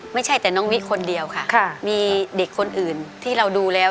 ไม่ใช่แต่น้องวิคนเดียวค่ะมีเด็กคนอื่นที่เราดูแล้ว